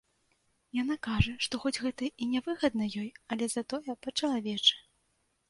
Яна кажа, што, хоць гэта і нявыгадна ёй, але затое па-чалавечы.